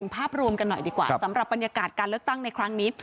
ภาพรวมกันหน่อยดีกว่าสำหรับบรรยากาศการเลือกตั้งในครั้งนี้